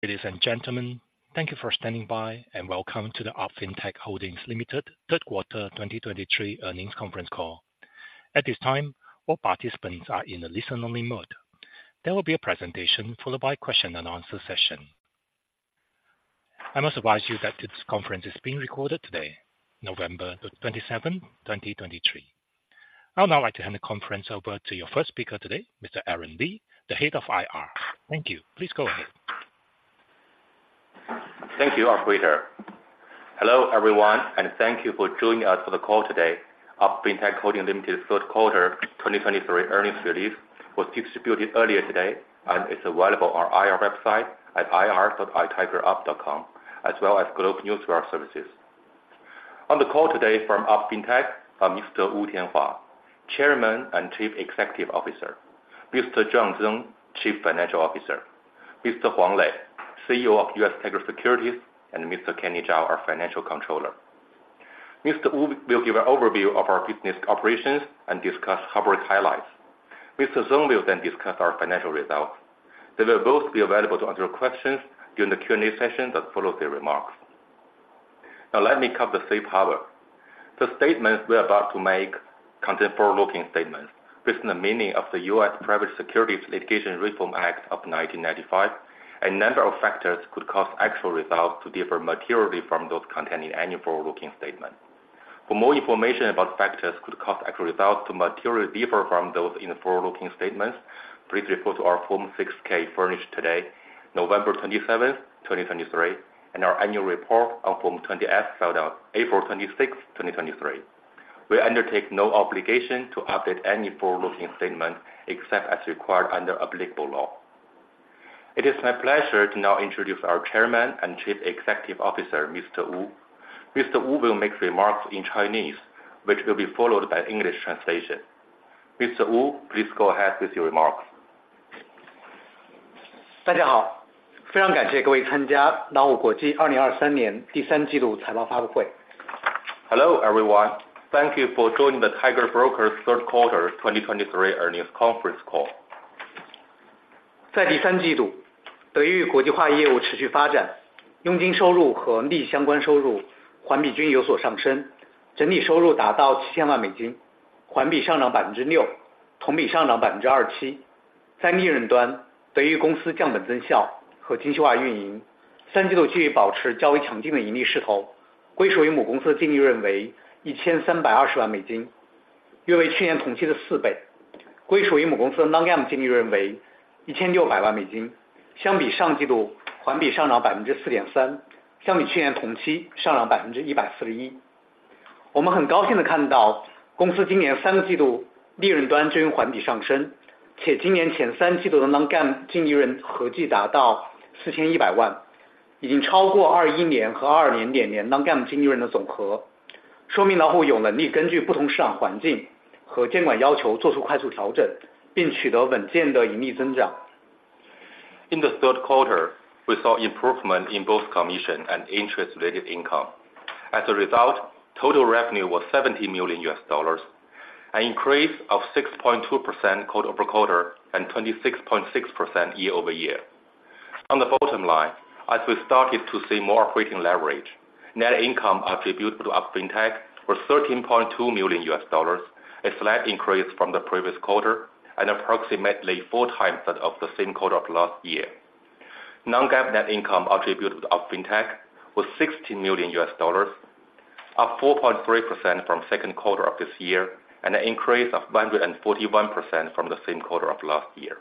Ladies and gentlemen, thank you for standing by, and welcome to the UP Fintech Holding Limited Third Quarter 2023 Earnings Conference Call. At this time, all participants are in a listen-only mode. There will be a presentation followed by question and answer session. I must advise you that today's conference is being recorded today, November 27, 2023. I would now like to hand the conference over to your first speaker today, Mr. Aaron Li, the Head of IR. Thank you. Please go ahead. Thank you, operator. Hello, everyone, and thank you for joining us for the call today. UP Fintech Holding Limited third quarter 2023 earnings release was distributed earlier today and is available on our IR website at ir.itigerup.com, as well as GlobeNewswire. On the call today from UP Fintech are Mr. Wu Tianhua, Chairman and Chief Executive Officer, Mr. John Fei Zeng, Chief Financial Officer, Mr. Huang Lei, CEO of US Tiger Securities, and Mr. Kenny Zhao, our Financial Controller. Mr. Wu will give an overview of our business operations and discuss corporate highlights. Mr. Zeng will then discuss our financial results. They will both be available to answer your questions during the Q&A session that follows their remarks. Now, let me cover the safe harbor. The statements we are about to make contain forward-looking statements within the meaning of the U.S. Private Securities Litigation Reform Act of 1995. A number of factors could cause actual results to differ materially from those contained in any forward-looking statement. For more information about factors could cause actual results to materially differ from those in the forward-looking statements, please refer to our Form 6-K furnished today, November 27th, 2023, and our annual report on Form 20-F, filed on April 26, 2023. We undertake no obligation to update any forward-looking statement except as required under applicable law. It is my pleasure to now introduce our Chairman and Chief Executive Officer, Mr. Wu. Mr. Wu will make remarks in Chinese, which will be followed by English translation. Mr. Wu, please go ahead with your remarks. Hello, everyone. Thank you for joining the Tiger Brokers third quarter 2023 earnings conference call. In the third quarter, we saw improvement in both commission and interest-related income. As a result, total revenue was $70 million, an increase of 6.2% quarter-over-quarter and 26.6% year-over-year. On the bottom line, as we started to see more operating leverage, net income attributable to UP Fintech was $13.2 million, a slight increase from the previous quarter and approximately four times that of the same quarter of last year. Non-GAAP net income attributable to UP Fintech was $60 million, up 4.3% from second quarter of this year, and an increase of 141% from the same quarter of last year.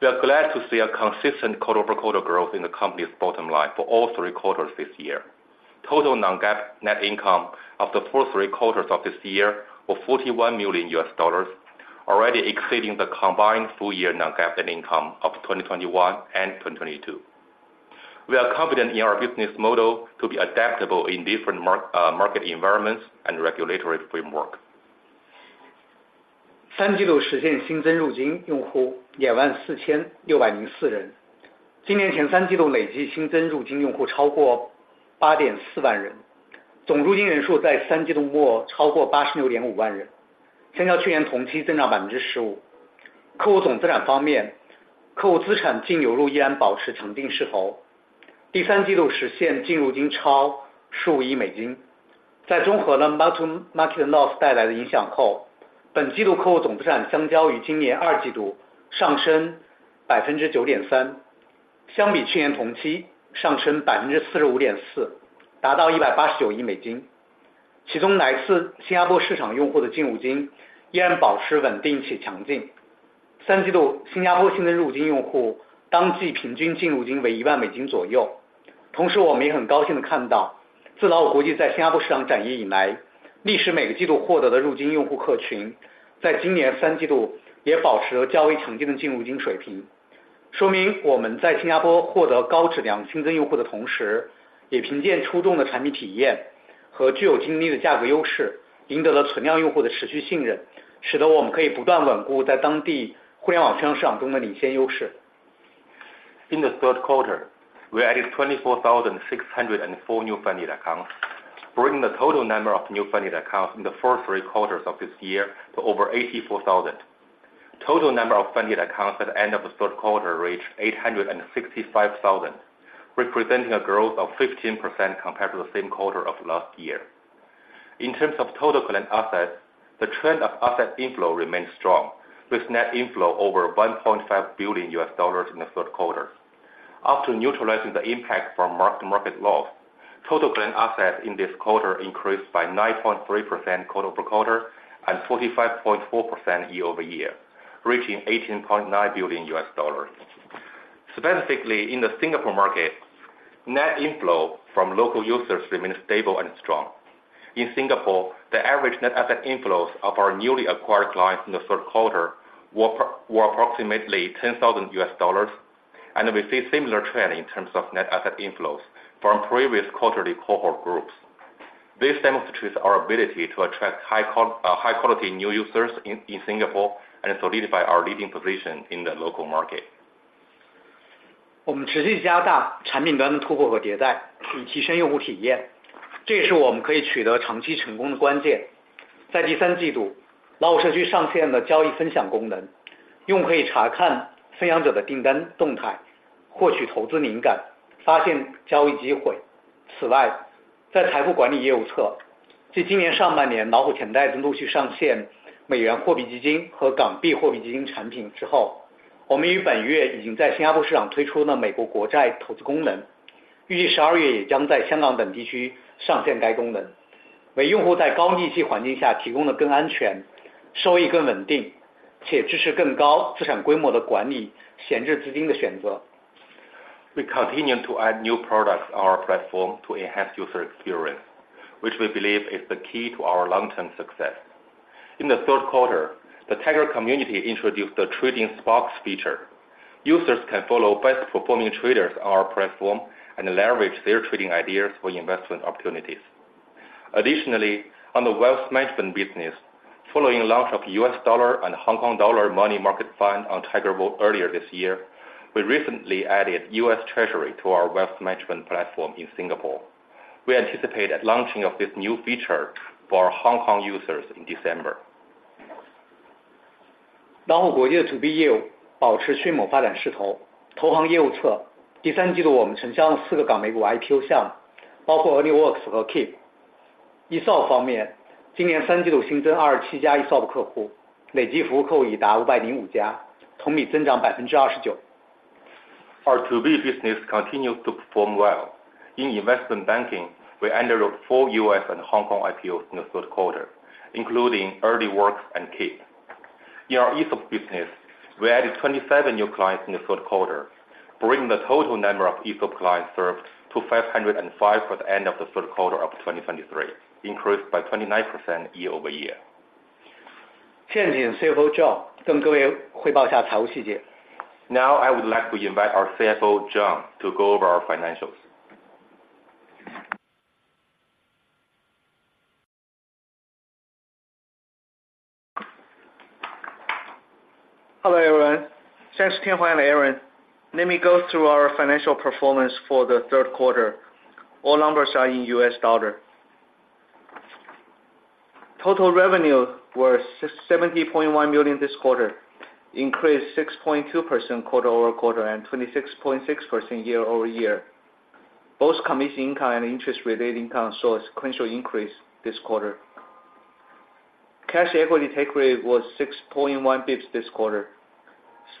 We are glad to see a consistent quarter-over-quarter growth in the company's bottom line for all three quarters this year. Total non-GAAP net income of the first three quarters of this year was $41 million, already exceeding the combined full year non-GAAP net income of 2021 and 2022. We are confident in our business model to be adaptable in different market environments and regulatory framework. In the third quarter, we added 24,604 new funded accounts, bringing the total number of new funded accounts in the first three quarters of this year to over 84,000. Total number of funded accounts at the end of the third quarter reached 865,000, representing a growth of 15% compared to the same quarter of last year. In terms of total client assets, the trend of asset inflow remains strong, with net inflow over $1.5 billion in the third quarter. After neutralizing the impact from mark-to-market loss, total client assets in this quarter increased by 9.3% quarter-over-quarter and 45.4% year-over-year, reaching $18.9 billion. Specifically, in the Singapore market, net inflow from local users remains stable and strong. In Singapore, the average net asset inflows of our newly acquired clients in the third quarter were approximately $10,000, and we see similar trend in terms of net asset inflows from previous quarterly cohort groups. This demonstrates our ability to attract high quality new users in Singapore, and solidify our leading position in the local market. We continue to add new products on our platform to enhance user experience, which we believe is the key to our long-term success. In the third quarter, the Tiger community introduced the Trading Sparks feature. Users can follow best-performing traders on our platform and leverage their trading ideas for investment opportunities. Additionally, on the wealth management business, following the launch of U.S. dollar and Hong Kong dollar money market fund on Tiger Brokers earlier this year, we recently added U.S. Treasury to our wealth management platform in Singapore. We anticipate that launching of this new feature for our Hong Kong users in December. Our To B business continues to perform well. In investment banking, we underwrote four U.S. and Hong Kong IPOs in the third quarter, including Earlyworks and Keep. In our ESOP business, we added 27 new clients in the third quarter, bringing the total number of ESOP clients served to 505 for the end of the third quarter of 2023, increased by 29% year-over-year. Now, I would like to invite our CFO, John, to go over our financials. Hello, everyone. Thanks, Tian and Aaron. Let me go through our financial performance for the third quarter. All numbers are in U.S. dollar. Total revenue was $70.1 million this quarter, increased 6.2% quarter-over-quarter, and 26.6% year-over-year. Both commission income and interest related income saw a sequential increase this quarter. Cash equity take rate was 6.1 bps this quarter,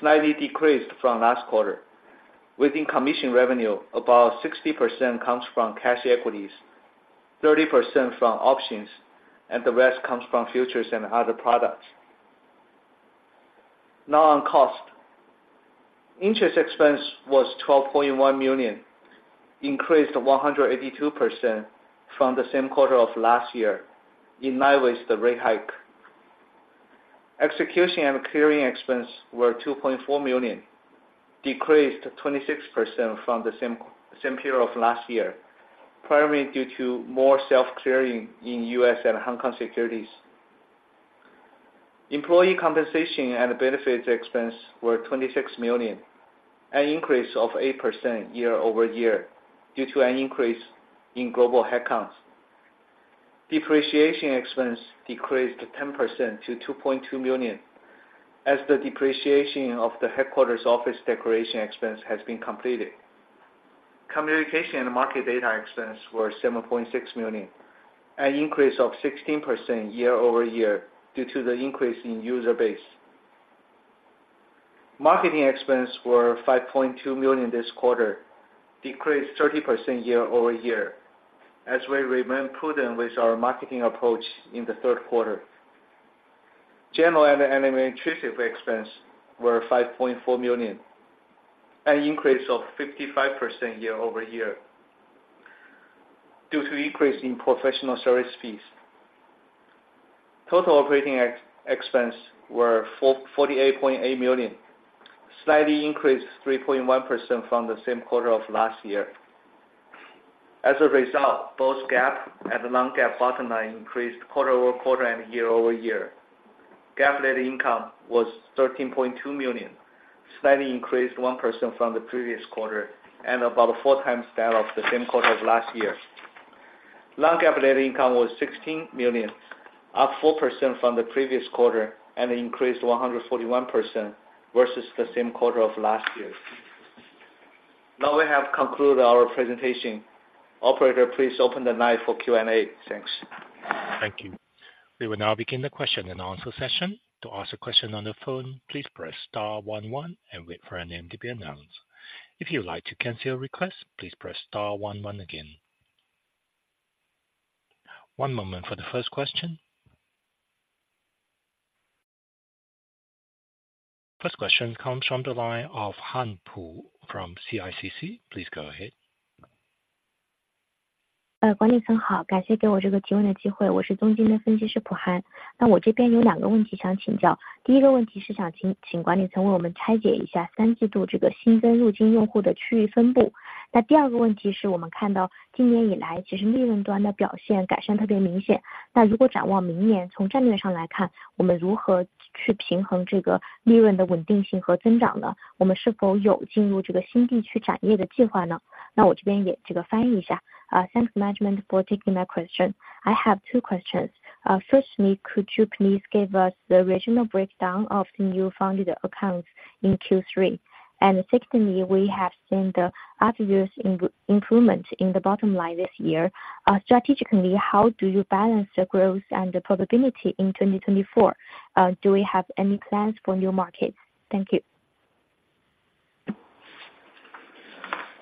slightly decreased from last quarter. Within commission revenue, about 60% comes from cash equities, 30% from options, and the rest comes from futures and other products. Now, on cost. Interest expense was $12.1 million, increased 182% from the same quarter of last year, in line with the rate hike. Execution and clearing expense were $2.4 million, decreased 26% from the same period of last year, primarily due to more self-clearing in U.S. and Hong Kong securities. Employee compensation and benefits expense were $26 million, an increase of 8% year over year due to an increase in global headcounts. Depreciation expense decreased 10% to $2.2 million, as the depreciation of the headquarters office decoration expense has been completed. Communication and market data expense were $7.6 million, an increase of 16% year over year due to the increase in user base. Marketing expense were $5.2 million this quarter, decreased 30% year over year, as we remain prudent with our marketing approach in the third quarter. General and administrative expense were $5.4 million, an increase of 55% year-over-year, due to increase in professional service fees. Total operating expense were forty-eight point eight million, slightly increased 3.1% from the same quarter of last year. As a result, both GAAP and non-GAAP bottom line increased quarter-over-quarter and year-over-year. GAAP net income was $13.2 million, slightly increased 1% from the previous quarter, and about four times that of the same quarter of last year. ...non-GAAP net income was $16 million, up 4% from the previous quarter, and increased 141% versus the same quarter of last year. Now we have concluded our presentation. Operator, please open the line for Q&A. Thanks. Thank you. We will now begin the question and answer session. To ask a question on the phone, please press star one one and wait for your name to be announced. If you'd like to cancel your request, please press star one one again. One moment for the first question. First question comes from the line of Han Pu from CICC. Please go ahead. Hello, management.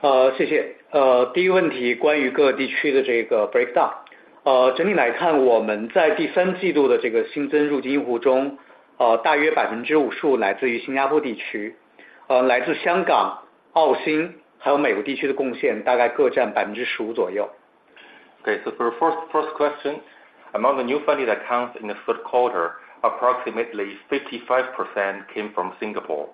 Thank you. The first question is about the regional breakdown. Overall, in the third quarter, among the new funded users, approximately 55% come from the Singapore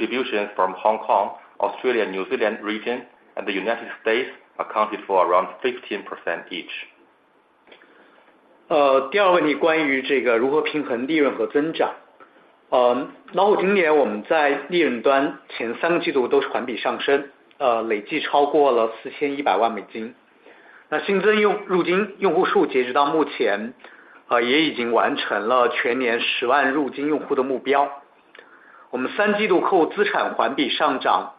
region, from the Hong Kong, Australia and New Zealand, and United States regions, the contributions each account for about 15%. Okay, so for first question, among the new funded accounts in the third quarter, approximately 55% came from Singapore, while contributions from Hong Kong, Australia, New Zealand region, and the United States accounted for around 15% each. 第二个问题关于这个如何平衡利润和增长。那么今年我们在利润端前三个季度都是环比上升，累计超过了$41 million。那新增用户，入金用户数截止到目前，也已经完成了全年100,000入金用户的目标。我们三季度客户资产环比上涨9.3%，同比上升了45.4%，达到了$18.9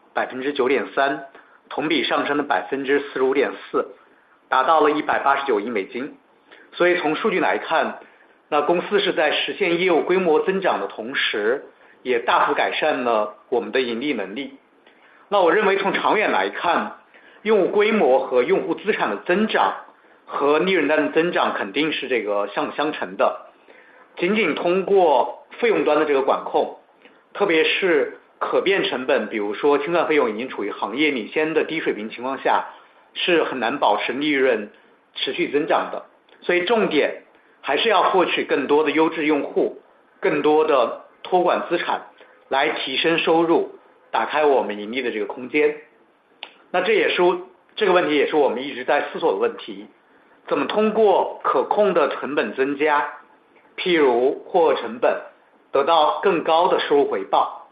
billion。所以从数据来看，那公司是在实现业务规模增长的同时，也大幅改善了我们的盈利能力。那我认为从长远来看，用户规模和用户资产的增长和利润端的增长肯定是这个相辅相成的。仅仅通过费用端的这个管控，特别是可变成本，比如说清算费用已经处于行业领先的低水平情况下，是很难保持利润持续增长的。所以重点还是要获取更多的优质用户，更多的托管资产来提升收入，打开我们利润的这个空间。那这也是，这个问题也是我们一直在思索的问题：怎么通过可控的成本增加，比如获取成本，得到更高的收入回报，这也是我们会把像ROI还有回本周期，作为各个国家主体考核目标的这个原因。那目前来看，未来一年之内，我们依然会把重点放在现有市场的拉新，还有交易促活，提升ARPU值，带动利润单的持续增厚，为公司未来在更多市场的展业提供足够的子弹和空间。那至于明年是否进入新的市场，那我们会在评估公司各方面资源之后，再来把握全球化扩展的节奏跟方向。谢谢。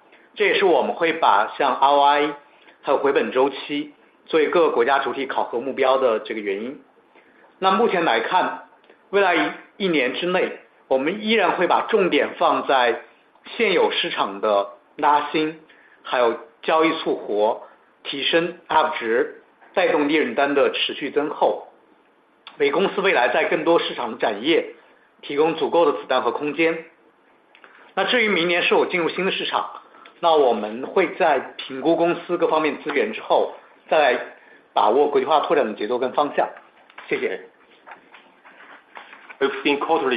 We've seen quarterly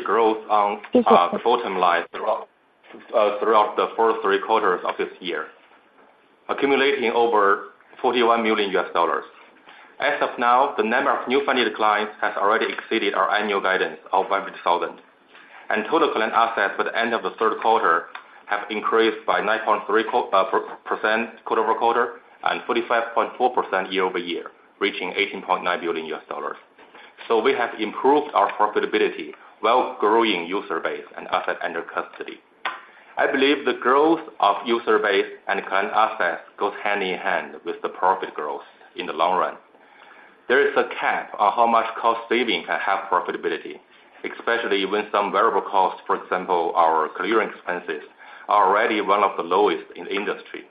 growth on the bottom line throughout the first three quarters of this year, accumulating over $41 million. As of now, the number of new funded clients has already exceeded our annual guidance of 5,000, and total client assets by the end of the third quarter have increased by 9.3% quarter-over-quarter, and 45.4% year-over-year, reaching $18.9 billion. So we have improved our profitability while growing user base and asset under custody. I believe the growth of user base and client assets goes hand in hand with the profit growth in the long run. There is a cap on how much cost saving can help profitability, especially when some variable costs, for example, our clearing expenses, are already one of the lowest in the industry.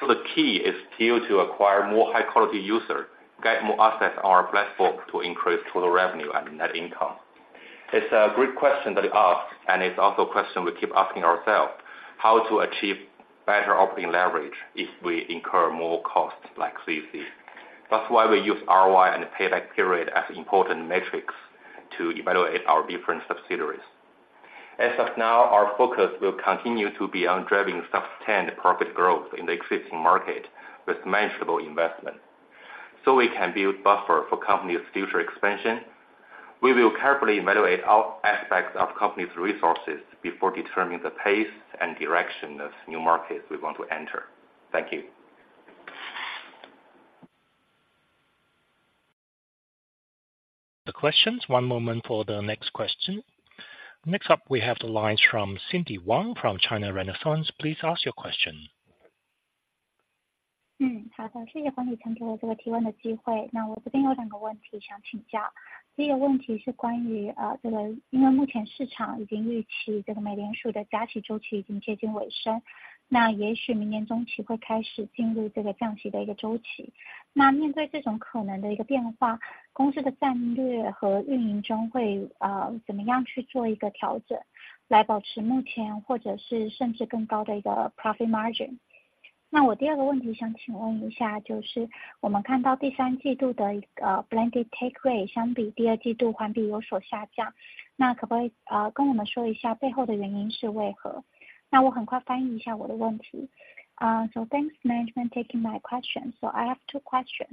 So the key is still to acquire more high-quality users, get more assets on our platform to increase total revenue and net income. It's a great question that you asked, and it's also a question we keep asking ourselves: how to achieve better operating leverage if we incur more costs like CAC? That's why we use ROI and payback period as important metrics to evaluate our different subsidiaries. As of now, our focus will continue to be on driving sustained profit growth in the existing market with manageable investment, so we can build buffer for company's future expansion. We will carefully evaluate all aspects of company's resources before determining the pace and direction of new markets we want to enter. Thank you. ...The questions. One moment for the next question. Next up, we have the lines from Cindy Wang from China Renaissance. Please ask your question. 好的，谢谢管理层给了这个提问的机会。那我这边有两个问题想请教，第一个问题是关于，因为目前市场已经预期这个美联储的加息周期已经接近尾声，那也许明年中期会开始进入这个降息的一个周期。那面对这种可能的一个变化，公司的战略和运营中会，怎么样去做一个调整，来保持目前或者甚至更高的一个profit margin？那我第二个问题想请问一下，就是我们看到第三季度的一个blended take rate相比第二季度环比有所下降，那可不可以，跟我们说一下背后的原因为何？那我很快翻译一下我的问题。So thanks management taking my question. So I have two question.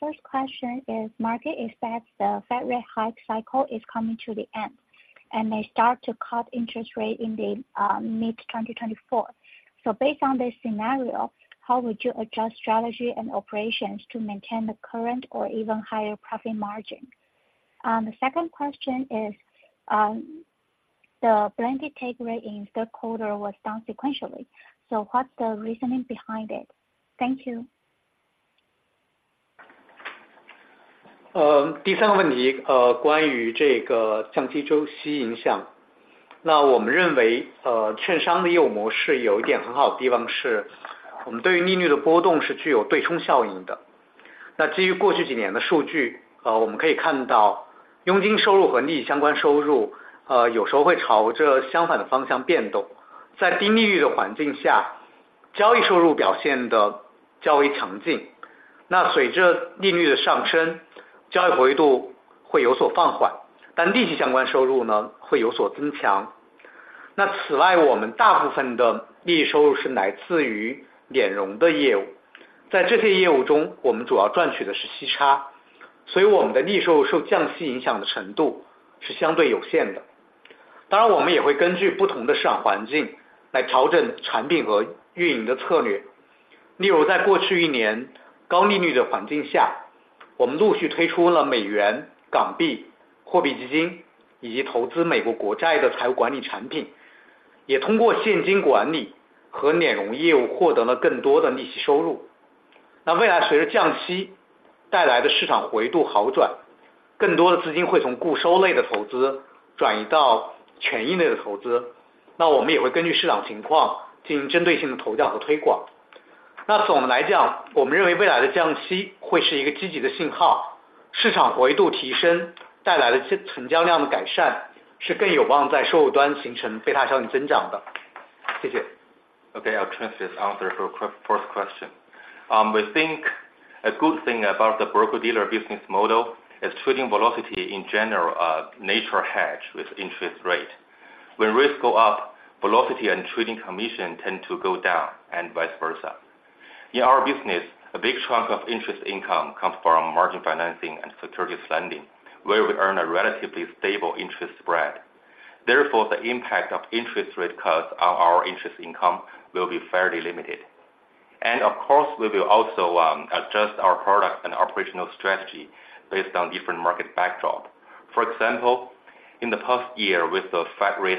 First question is market expects the Fed rate hike cycle is coming to the end, and they start to cut interest rate in the mid 2024. So based on this scenario, how would you adjust strategy and operations to maintain the current or even higher profit margin? The second question is, the blended take rate in third quarter was down sequentially, so what's the reasoning behind it? Thank you. Okay, I'll transfer answer for first question. We think a good thing about the broker dealer business model is trading velocity in general, nature hedge with interest rate. When risk go up, velocity and trading commission tend to go down and vice versa. In our business, a big chunk of interest income comes from margin financing and securities lending, where we earn a relatively stable interest spread. Therefore, the impact of interest rate cuts on our interest income will be fairly limited. And of course, we will also adjust our product and operational strategy based on different market backdrop. For example, in the past year with the Fed rate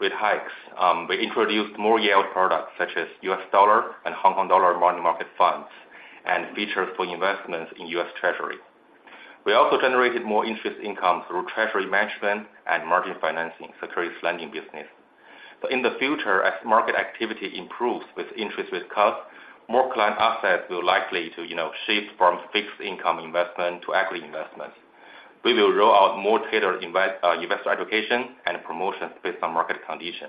rate hikes, we introduced more yield products such as U.S. dollar and Hong Kong dollar money market funds, and features for investments in U.S. Treasury. We also generated more interest income through treasury management and margin financing, securities lending business. But in the future, as market activity improves with interest rate cuts, more client assets will likely to, you know, shift from fixed income investment to equity investment. We will roll out more tailored investor education and promotions based on market condition.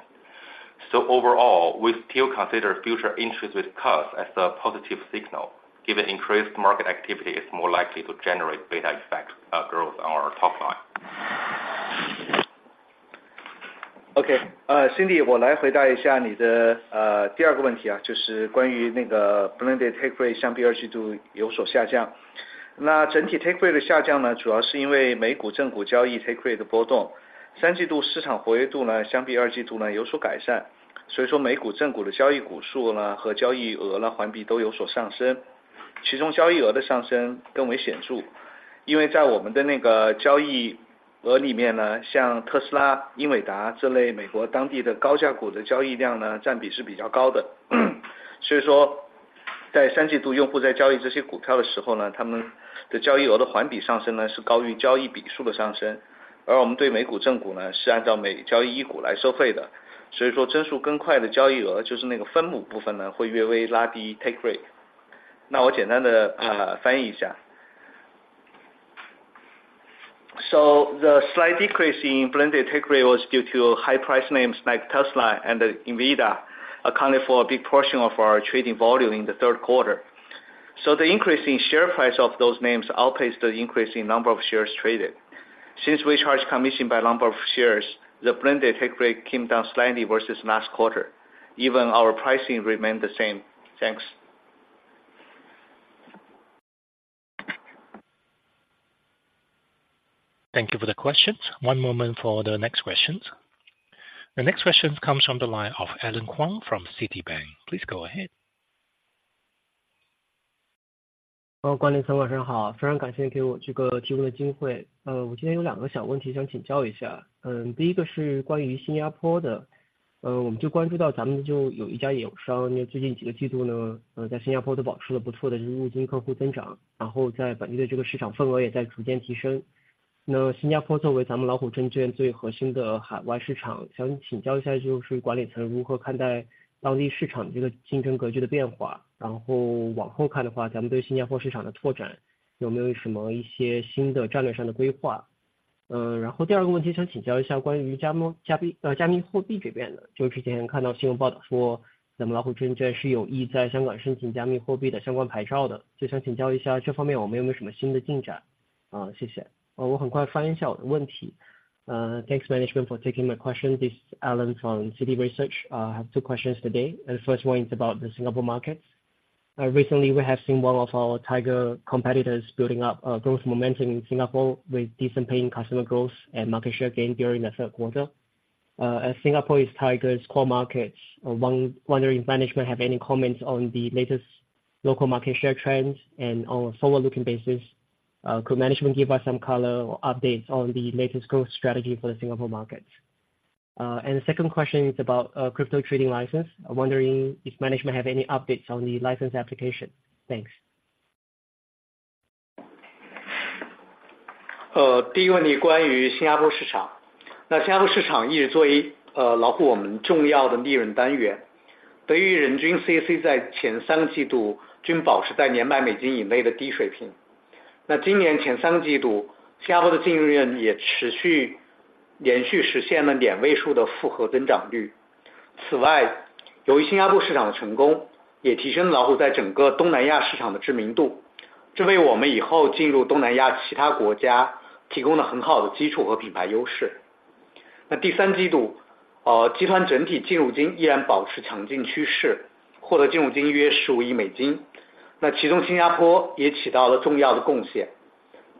So overall, we still consider future interest with cuts as a positive signal. Given increased market activity is more likely to generate beta effect growth on our top line. OK, Cindy, 我来回答一下你的，第二个问题啊，就是关于那个blended take rate相比二季度有所下降。那整体take rate的下降呢，主要是因为美股正股交易take rate。那我简单地，翻译一下。So the slight decrease in blended take rate was due to high price names like Tesla and NVIDIA, accounting for a big portion of our trading volume in the third quarter. So the increase in share price of those names outpaced the increasing number of shares traded. Since we charge commission by number of shares, the blended take rate came down slightly versus last quarter. Even our pricing remained the same. Thanks. Thank you for the questions. One moment for the next questions. The next question comes from the line of Allen Wang from Citibank. Please go ahead. 管理层晚上好，非常感谢给我这个提供的机会。我今天有两个小问题想请教一下，第一个是关于新加坡的，我们就关注到咱们就有一家友商，因为最近几个季度呢，在新加坡都保持了不错的入金客户增长，然后在本地这个市场份额也在逐渐提升。那新加坡作为咱们老虎证券最核心的海外市场，想请教一下，就是管理层如何看待当地市场这个竞争格局的变化，然后往后看的话，咱们对新加坡市场的拓展有没有什么一些新的战略上的规划？然后第二个问题想请教一下关于加密，加密货币这边的，就是之前看到新闻报道说，咱们老虎证券是有意在香港申请加密货币的相关牌照的，就想请教一下这方面我们有没有什么新的进展？谢谢。我很快发言一下我的问题。Thanks, management, for taking my question. This is Allen from Citi Research. I have two questions today. The first one is about the Singapore market. Recently we have seen one of our Tiger competitors building up a growth momentum in Singapore with decent paying customer growth and market share gain during the third quarter. As Singapore is Tiger's core markets, wondering management have any comments on the latest local market share trends and our forward-looking basis, could management give us some color or updates on the latest growth strategy for the Singapore market? And the second question is about crypto trading license. I'm wondering if management have any updates on the license application. Thanks. First question about the Singapore market. The Singapore market has always served as an important profit unit for Tiger. For per capita CC, in the first three quarters, it remained at a low level within $10,000. In the first three quarters of this year, Singapore's net profit also continuously achieved a double-digit compound growth rate. In addition, due to the success of the Singapore market, it also elevated Tiger's visibility in the entire Southeast Asian market. This provided us with a very good foundation and brand advantage for entering other Southeast Asian countries in the future. In the third quarter, the group's overall net inflow still maintained a strong trend, obtaining net inflow of about $1.5 billion. Singapore also made an important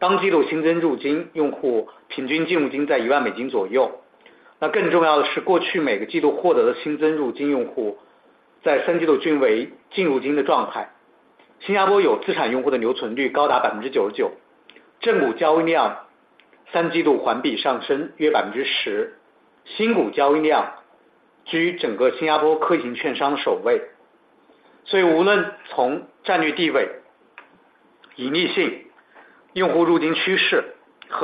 contribution among them. The average net inflow for new inflow users in the quarter was around $10,000. More importantly, the new inflow users obtained in each of the past quarters were all in a net inflow state in the third quarter. Singapore's asset users have a retention rate as high as 99%. The positive stock trading volume rose about 10% quarter-over-quarter in the third quarter. The new stock trading volume ranks first among all Singapore digital brokers. Therefore, whether from strategic position, profitability, user inflow trend, and retention rate, we are satisfied with Tiger's development in Singapore. The reason we could achieve success locally is inseparable from our insistence on focusing on user quality and striving for ROI. In the future, we will continue this strategy. While ensuring profitability, we attract high-quality local users. So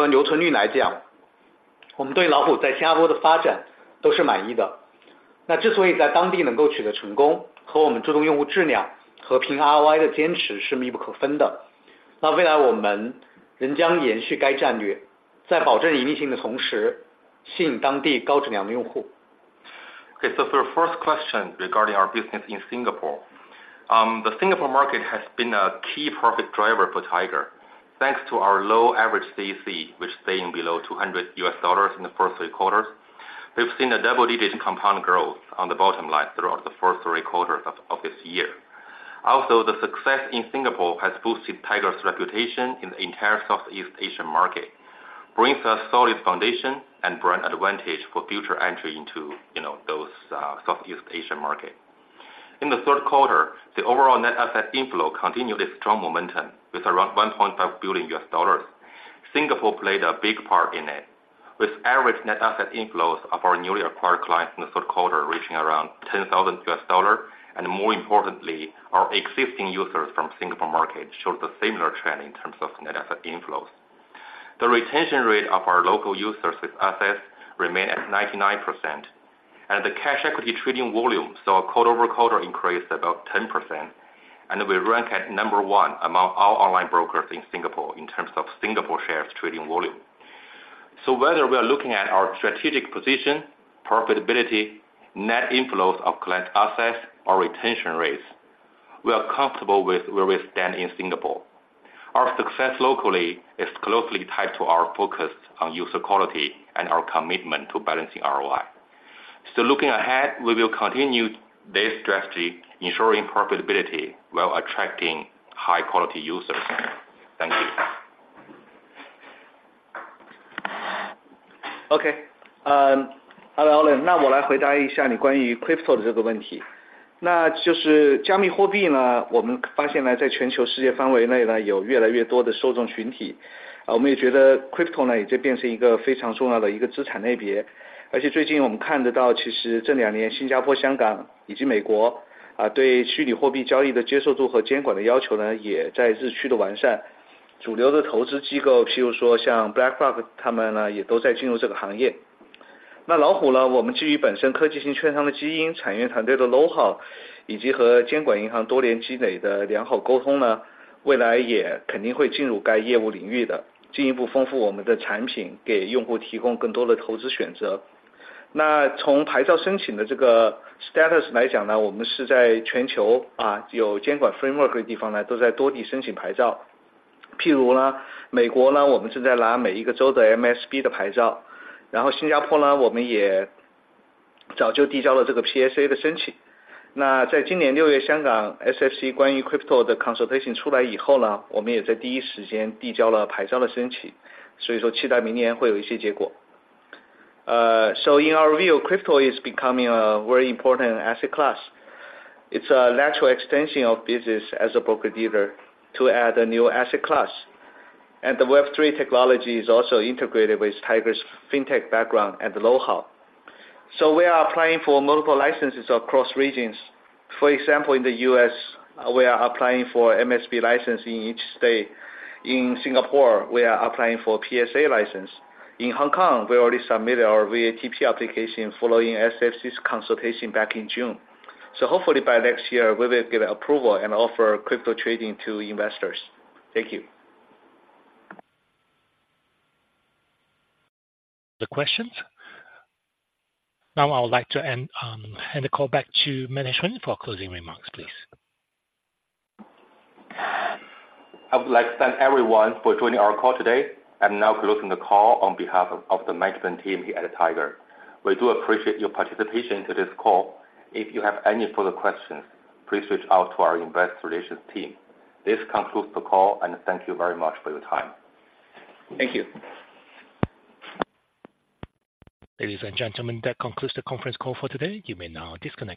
for the first question regarding our business in Singapore, the Singapore market has been a key profit driver for Tiger, thanks to our low average CC, which staying below $200 in the first three quarters. We've seen a double-digit compound growth on the bottom line throughout the first three quarters of this year. Also, the success in Singapore has boosted Tiger's reputation in the entire Southeast Asian market, brings us solid foundation and brand advantage for future entry into, you know, those, Southeast Asian market. In the third quarter, the overall net asset inflow continued its strong momentum with around $1.5 billion. Singapore played a big part in it, with average net asset inflows of our newly acquired clients in the third quarter, reaching around $10,000. More importantly, our existing users from Singapore market showed a similar trend in terms of net asset inflows. The retention rate of our local users with assets remained at 99%, and the cash equity trading volume, so quarter-over-quarter increased about 10%, and we rank at number one among all online brokers in Singapore in terms of Singapore shares trading volume. So whether we are looking at our strategic position, profitability, net inflows of client assets, or retention rates, we are comfortable with where we stand in Singapore. Our success locally is closely tied to our focus on user quality and our commitment to balancing ROI. So looking ahead, we will continue this strategy, ensuring profitability while attracting high quality users. Thank you! OK, Allen，那我来回答一下你关于crypto这个问题。就是加密货币呢，我们发现呢，在全球世界范围内呢，有越来越多受众群体，啊我们也觉得crypto呢，也在变成一个非常重要的一个资产类别。而且最近我们看得见，其实这两年的新加坡、香港以及美国啊，对虚拟货币交易的接受度和监管的要求呢，也在日益的完善。主流的投资机构，譬如说像BlackRock，他们呢，也都在进入这个行业。那老虎呢，我们基于本身科技型券商的基因，产业团队的knowhow，以及和监管银行多年积累的良好沟通呢，未来也肯定会进入该业务领域的，进一步丰富我们的产品，给用户提供更多的投资选择。那从牌照申请的这个status来讲呢，我们是在全球啊，有监管framework的地方呢，都在多地申请牌照。譬如呢，美国呢，我们正在拿每一个州的MSB的牌照，然后新加坡呢，我们也早就递交了这个PSA的申请。那在今年六月，香港SFC关于crypto的consultation出来以后呢，我们也在第一时间递交了牌照的申请，所以说期待明年会有一些结果。So in our view, crypto is becoming a very important asset class. It's a natural extension of business as a broker dealer to add a new asset class, and the Web3 technology is also integrated with Tiger's fintech background and knowhow. So we are applying for multiple licenses across regions. For example, in the U.S., we are applying for MSB license in each state. In Singapore, we are applying for PSA license. In Hong Kong, we already submitted our VATP application following SFC's consultation back in June. So hopefully by next year, we will get approval and offer crypto trading to investors. Thank you!... The questions. Now I would like to end, hand the call back to management for closing remarks, please. I would like to thank everyone for joining our call today. I'm now closing the call on behalf of the management team here at Tiger. We do appreciate your participation to this call. If you have any further questions, please reach out to our investor relations team. This concludes the call, and thank you very much for your time. Thank you! Ladies and gentlemen, that concludes the conference call for today. You may now disconnect.